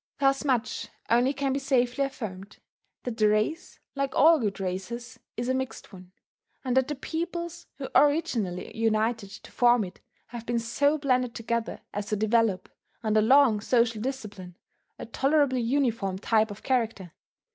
Thus much only can be safely affirmed, that the race, like all good races, is a mixed one; and that the peoples who originally united to form it have been so blended together as to develop, under long social discipline, a tolerably uniform type of character.